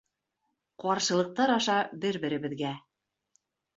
Ҡаршылыҡтар аша бер-беребеҙгә.